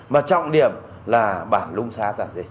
mà trọng điểm là bản lung xá